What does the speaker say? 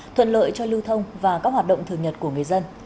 thuận lợi cho lưu thông và các hoạt động thường nhật của người dân